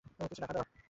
কিছু টাকা দাও।